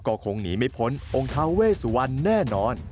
ก็คงหนีไม่พ้นองค์ท้าเวสุวรรณแน่นอน